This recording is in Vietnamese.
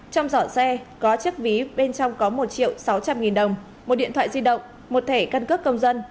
trong giỏ xe có chiếc ví bên trong có một triệu sáu trăm linh nghìn đồng một điện thoại di động một thẻ căn cước công dân